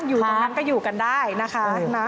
อยู่ตรงนั้นก็อยู่กันได้นะคะ